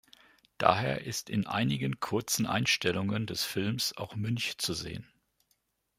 Daher ist in einigen kurzen Einstellungen des Films auch Münch zu sehen.